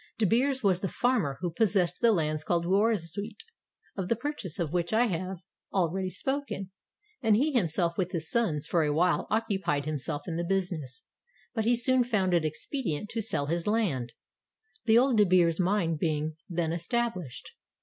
De Beers was the farmer who possessed the lands called Vooruitzuit, of the purchase of which I have 446 THE DIAMOND FIELDS OF SOUTH AFRICA already spoken, and he himself, with his sons, for a while occupied himself in the business; — but he soon found it expedient to sell his land, — the Old De Beers mine being then established.